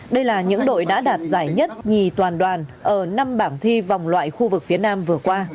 đây là những đội đã đạt giải nhất nhì toàn đoàn ở năm bảng thi vòng loại khu vực phía nam vừa qua